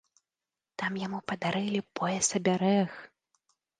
Там яму падарылі пояс-абярэг.